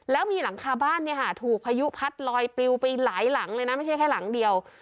แล้วมีหลังคาบ้านเนี่ยค่ะถูกพายุพัดลอยปลิวไปหลายหลังเลยนะไม่ใช่แค่หลังเดียว